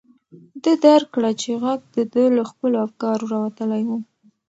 ده درک کړه چې غږ د ده له خپلو افکارو راوتلی و.